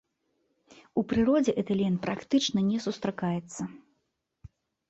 У прыродзе этылен практычна не сустракаецца.